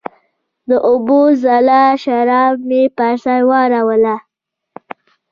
د اوبو زلال شراب مې پر سر واړوله